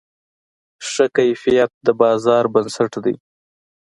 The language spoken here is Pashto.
ښه کیفیت د بازار بنسټ دی.